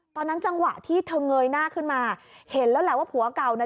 จังหวะที่เธอเงยหน้าขึ้นมาเห็นแล้วแหละว่าผัวเก่าน่ะ